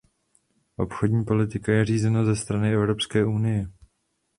Obchodní politika je řízena ze strany Evropské unie.